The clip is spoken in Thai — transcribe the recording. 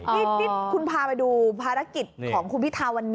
นี่คุณพาไปดูภารกิจของคุณพิธาวันนี้